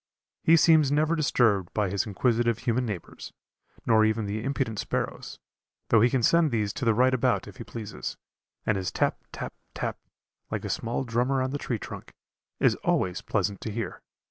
He seems never disturbed by his inquisitive human neighbors, nor even the impudent sparrows though he can send these to the right about if he pleases and his tap, tap, tap, like a small drummer on the tree trunk, is always pleasant to hear.